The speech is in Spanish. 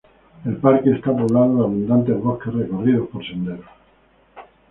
El parque está poblado de abundantes bosques recorridos por senderos.